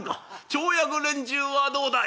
町役連中はどうだ？」。